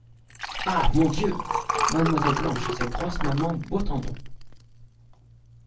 Ah ! mon Dieu ! mademoiselle Blanche et sa grosse maman Beautendon.